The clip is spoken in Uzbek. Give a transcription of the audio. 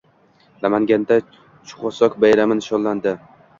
Namanganda Chxusok bayrami nishonlandi